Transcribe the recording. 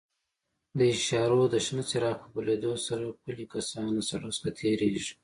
د اشارو د شنه څراغ په بلېدو سره پلي کسان له سړک څخه تېرېږي.